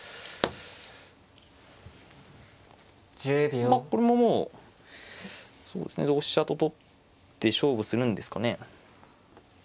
まあこれももうそうですね同飛車と取って勝負するんですかね。